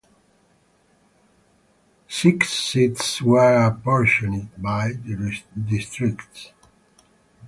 Six seats were apportioned by districts.